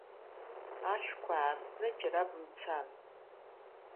Ашәқәа аартны џьара бымцан.